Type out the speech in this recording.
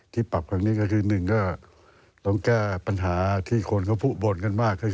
ที่ปรับครั้งนี้ก็คือ๑ต้องแก้ปัญหาที่คนเขาพูดบ่นกันมาก